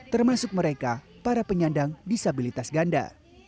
termasuk mereka para penyandang disabilitas ganda